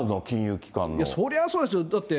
そりゃそうですよ、だって。